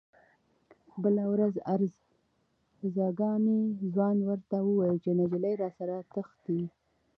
بله ورځ ارزګاني ځوان ورته وویل چې نجلۍ راسره تښتي.